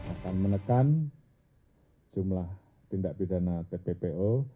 akan menekan jumlah tindak pidana tppo